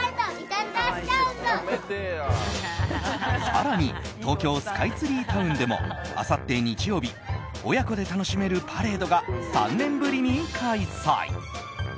更に東京スカイツリータウンでもあさって日曜日親子で楽しめるパレードが３年ぶりに開催。